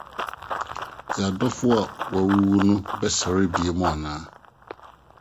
Yɛn adɔfo a wɔawuwu no bɛsɔre bio anaa? ’